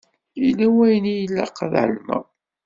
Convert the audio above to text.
Yella wayen i ilaq ad ɛelmeɣ.